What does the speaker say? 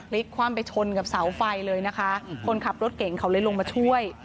คว่ำไปชนกับเสาไฟเลยนะคะคนขับรถเก่งเขาเลยลงมาช่วย